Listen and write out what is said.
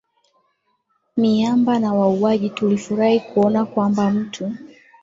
miamba na wauaji Tulifurahi kuona kwamba mtu